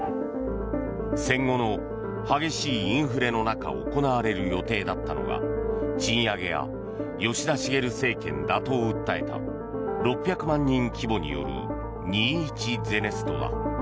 戦後の激しいインフレの中行われる予定だったのが賃上げや吉田茂政権打倒を訴えた６００万人規模による２・１ゼネストだ。